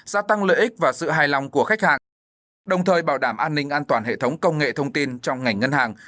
gia tăng lợi ích và sự hài lòng của khách hàng đồng thời bảo đảm an ninh an toàn hệ thống công nghệ thông tin trong ngành ngân hàng